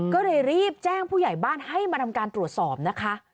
ก็เลยรีบแจ้งผู้ใหญ่บ้านให้มาทำการตรวจสอบนะคะ